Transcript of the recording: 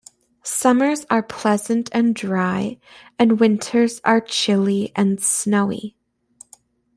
Summers are pleasant and dry, and winters are chilly and snowy.